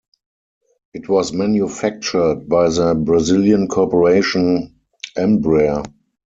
It was manufactured by the Brazilian corporation Embraer.